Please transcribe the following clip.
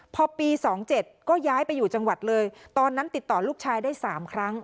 พอปี๒๗ก็ย้ายไปอยู่จังหวัดเลยตอนนั้นติดต่อลูกชายได้๓ครั้ง